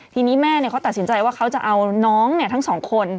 ทีนี้แม่เขาตัดสินใจว่าเขาจะเอาน้องทั้งสองคน